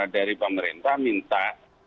dari pemerintah minta